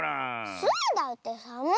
スイだってさむいよ。